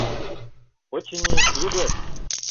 Очыни, лӱдеш.